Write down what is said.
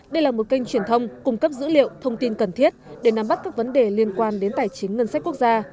đây là một kênh truyền thông cung cấp dữ liệu thông tin cần thiết để nắm bắt các vấn đề liên quan đến tài chính ngân sách quốc gia